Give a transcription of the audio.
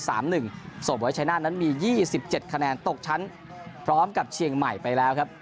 ส่วนไว้ชายนาฏนั้นมี๒๗คะแนนตกชั้นพร้อมกับเชียงใหม่ไปแล้วครับ